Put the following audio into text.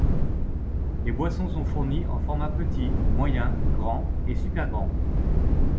Les boissons sont fournies en format petit, moyen, grand et super grand.